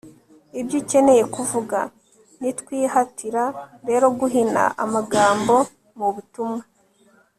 ibyo ukeneye kuvuga. nitwihatire rero guhina amagambo mu butumwa